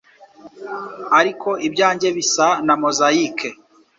Ariko ibyanjye bisa na mozayike-